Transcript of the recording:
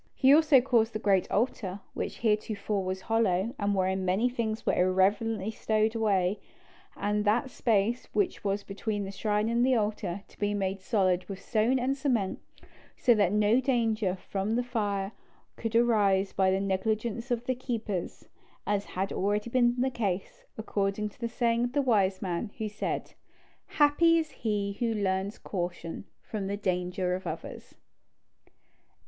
He also caused the great altar, which heretofore was hollow, and wherein many things were irreverently stowed away, and that space which was between the shrine and the altar, to be made solid with stone and cement, so that no danger from fire could arise by the negligence of the keepers, as had been already the case; according to the saying of the wise man, who said, "Happy is he who learns caution from the danger of others."